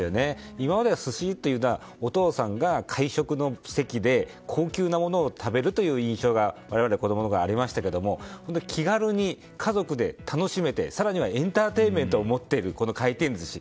今までは寿司というのはお父さんが会食の席で高級なものを食べるという印象が我々が子供のころはありましたけど気軽に家族で楽しめて更にはエンターテインメントを持っている回転寿司。